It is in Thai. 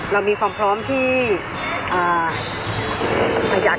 เรามีความพร้อมที่มันอยากจะฟัง